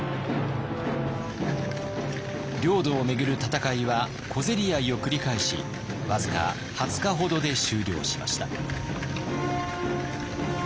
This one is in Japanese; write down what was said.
領土を巡る戦いは小競り合いを繰り返し僅か２０日ほどで終了しました。